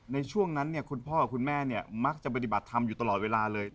ในช่วงนั้นเนี่ยคุณพ่อคุณแม่เนี่ยมักจะปฏิบัติธรรมอยู่ตลอดเวลาเลย